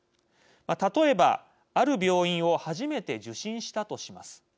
例えば、ある病院を初めて受診したとします。